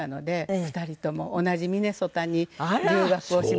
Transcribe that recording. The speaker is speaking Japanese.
２人とも同じミネソタに留学をしまして。